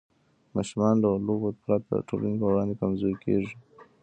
ماشومان له لوبو پرته د ټولنې په وړاندې کمزوري کېږي.